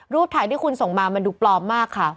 ถ่ายที่คุณส่งมามันดูปลอมมากค่ะ